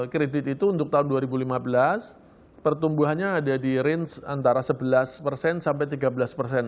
kredit itu untuk tahun dua ribu lima belas pertumbuhannya ada di range antara sebelas persen sampai tiga belas persen